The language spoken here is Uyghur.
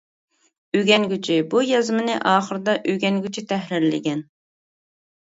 ئۆگەنگۈچى: بۇ يازمىنى ئاخىرىدا ئۆگەنگۈچى تەھرىرلىگەن.